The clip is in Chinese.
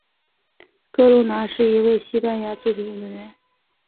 哥路拿是一位西班牙足球运动员。